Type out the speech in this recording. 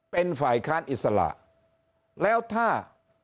เป็นฝ่ายค้านอิสระแล้วถ้า